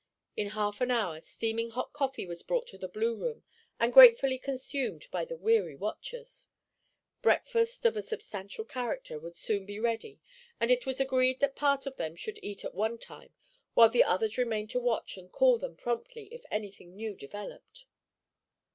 In half an hour steaming hot coffee was brought to the blue room and gratefully consumed by the weary watchers. Breakfast of a substantial character would soon be ready and it was agreed that part of them should eat at one time while the others remained to watch and to call them promptly if anything new developed.